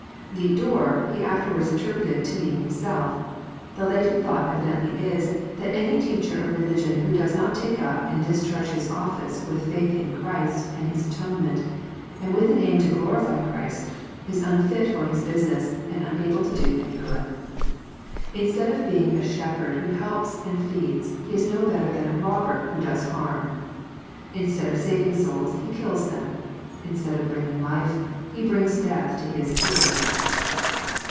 The '< door " He afterwards interprets to mean Himself. The latent thought evidently is, that any teacher of religion who does not take np and discharge his office with faith in Christ and His atonement, and with an aim to glori^Cbrist, is unfit for his business, and unable to do any goodTlnstead of being a shep herd who helps and feeds, he is no better thaira *' robber," who does harm. Instead of saving i^oglfi^Jie kills them. Instead of bringing life, he brings death to mshearers.